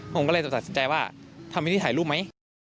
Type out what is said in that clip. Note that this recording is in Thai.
ผมก็เลยจะตัดสินใจว่าทำวิธีถ่ายรูปไหม